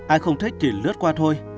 ai không thích thì lướt qua thôi